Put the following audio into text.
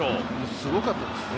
すごかったですね。